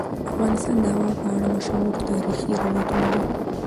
افغانستان د هوا په اړه مشهور تاریخی روایتونه لري.